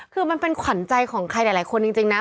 คือมันเป็นขวัญใจของใครหลายคนจริงนะ